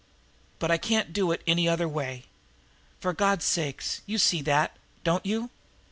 But I can't do it any other way. For God's sake, you see that, don't you?"